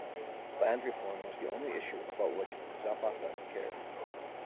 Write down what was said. Land reform was the only issue about which Zapata cared.